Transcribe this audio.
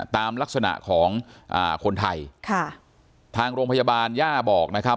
ตามลักษณะของอ่าคนไทยค่ะทางโรงพยาบาลย่าบอกนะครับ